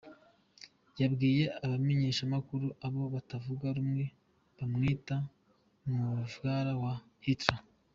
Yabwiye a bamenyeshamakuru, abo batavuga rumwe bamwita “muvyara wa Hitler”.